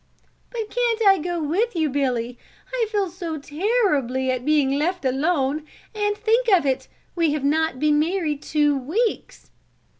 "But can't I go with you, Billy? I feel so terribly at being left alone and, think of it, we have not been married two weeks."